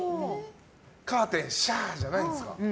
カーテンシャー！じゃないんですか。